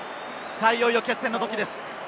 いよいよ決戦のときです。